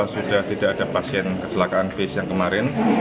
sudah tidak ada pasien keselakaan base yang kemarin